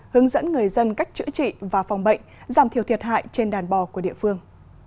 hướng dẫn người dân cách chữa trị và phòng bệnh giảm thiểu thiệt hại trên đàn bò của địa phương